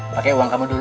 pakai uang kamu dulu